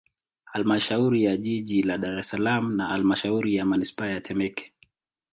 Halmashauri ya Jiji la Dar es Salaam na Halmashauri ya Manispaa ya Temeke